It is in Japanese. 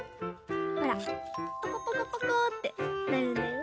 ほらポコポコポコってなるんだよ。